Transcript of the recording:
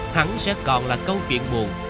hắn sẽ còn là câu chuyện buồn